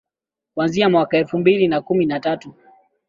kuanzia mwaka elfu mbili na kumi na tatu